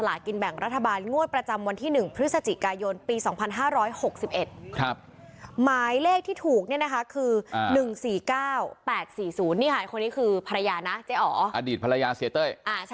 รักเพื่อนเสมอเพื่อนที่จริงใจต่อกัน